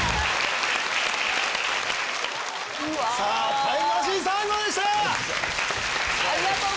さぁタイムマシーン３号でした！